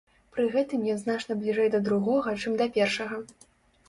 Пры гэтым ён значна бліжэй да другога, чым да першага.